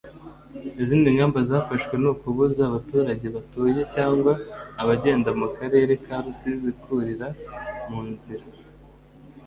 Izindi ngamba zafashwe ni ukubuza abaturage batuye cyangwa abagenda mu karere ka Rusizi kurira mu nzira